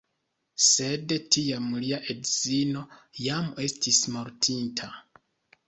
Sed tiam lia edzino jam estis mortinta.